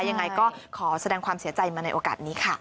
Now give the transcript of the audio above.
ยังไงก็ขอแสดงความเสียใจมาในโอกาสนี้ค่ะ